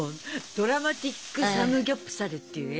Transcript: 「ドラマティックサムギョプサル」っていう映画。